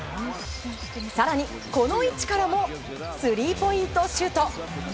更に、この位置からもスリーポイントシュート。